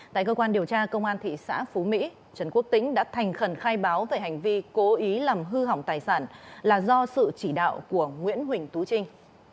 tại cơ quan điều tra công an thị xã phú mỹ trần quốc tĩnh đã thành khẩn khai báo về hành vi cố ý làm hư hỏng tài sản là do sự chỉ đạo của nguyễn huỳnh tú trinh